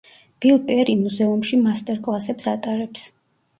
ბილ პერი მუზეუმში მასტერკლასებს ატარებს.